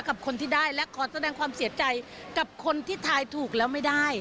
กับคนที่ได้และขอแสดงความเสียใจกับคนที่ทายถูกแล้วไม่ได้